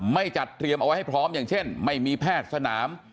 จัดเตรียมเอาไว้ให้พร้อมอย่างเช่นไม่มีแพทย์สนาม